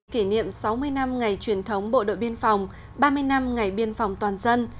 kỷ niệm sáu mươi năm ngày truyền thống bộ đội biên phòng ba mươi năm ngày biên phòng toàn dân